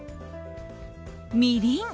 みりん。